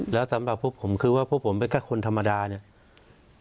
แล้วสำหรับพวกผมคือว่าพวกผมเป็นแค่คนธรรมดาเนี่ย